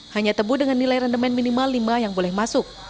hanya tebu dengan nilai rendemen minimal lima yang boleh masuk